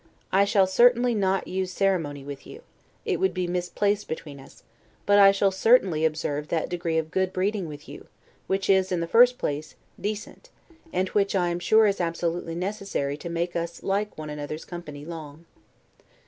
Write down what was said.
I shall certainly not use ceremony with you; it would be misplaced between us: but I shall certainly observe that degree of good breeding with you, which is, in the first place, decent, and which I am sure is absolutely necessary to make us like one another's company long.